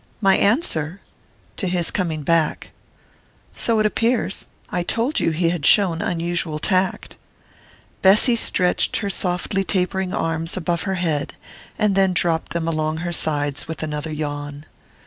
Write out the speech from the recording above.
"My answer ?" "To his coming back " "So it appears. I told you he had shown unusual tact." Bessy stretched her softly tapering arms above her head and then dropped them along her sides with another yawn.